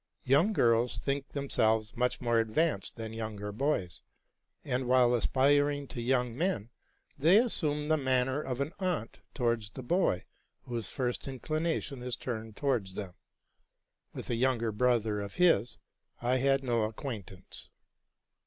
Young girls think themselves much more advanced than younger "boys ; and, while aspiring to young men, they assume the manner of an aunt towards the boy whose first inc lination is turned towards them.— With a younger brother of his, I had no acquaint ance.